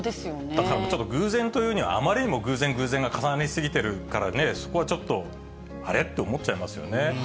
だから、ちょっと偶然と言うには、あまりにも偶然、偶然が重なり過ぎてるからね、そこはちょっと、あれ？と思っちゃいますよね。